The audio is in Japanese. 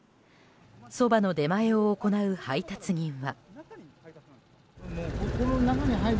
そばの出前を行う配達人は。